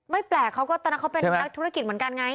แปลกเขาก็ตอนนั้นเขาเป็นนักธุรกิจเหมือนกันไง